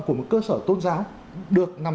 của một cơ sở tôn giáo được nằm